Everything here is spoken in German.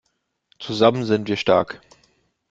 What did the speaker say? Zusammen sind wir stark!